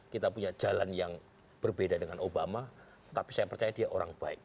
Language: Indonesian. kita punya jalan yang berbeda dengan obama tapi saya percaya dia orang baik